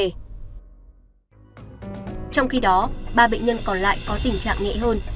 trong khi đó ba bệnh nhân còn lại có tình trạng nhẹ hơn